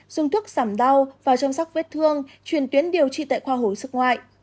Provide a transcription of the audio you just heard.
dùng thuốc giảm đau và chăm sóc vết thương truyền tuyến điều trị tại khoa hối sức ngoại